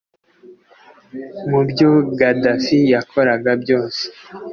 Mu byo Gaddafi yakoraga byose